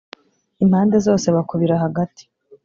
impande zose bakubira hagati